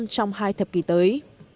trong hai thập kỷ tới